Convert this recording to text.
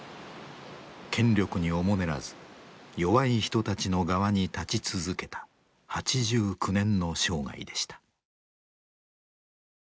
権力におもねらず弱い人たちの側に立ち続けた８９年の生涯でした。